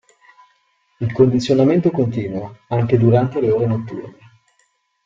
Il condizionamento continua, anche durante le ore notturne.